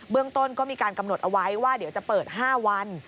เรื่องต้นก็มีการกำหนดเอาไว้ว่าเดี๋ยวจะเปิด๕วัน